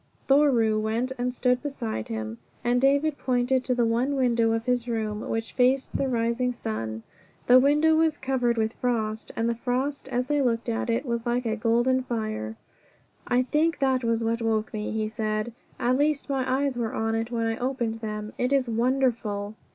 Thoreau went and stood beside him, and David pointed to the one window of his room, which faced the rising sun. The window was covered with frost, and the frost as they looked at it was like a golden fire. "I think that was what woke me," he said. "At least my eyes were on it when I opened them. It is wonderful!"